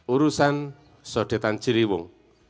urusan sodetan ciriwung